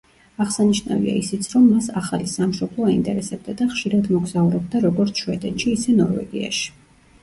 აღსანიშნავია ისიც, რომ მას ახალი სამშობლო აინტერესებდა და ხშირად მოგზაურობდა როგორც შვედეთში, ისე ნორვეგიაში.